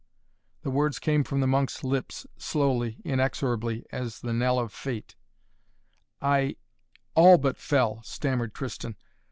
The words came from the monk's lips, slowly, inexorably, as the knell of fate. "I all, but fell!" stammered Tristan.